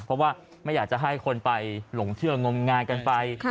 เพราะว่าไม่อยากจะให้คนไปหลงเชื่องมงายกันไป